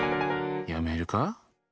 やめるか？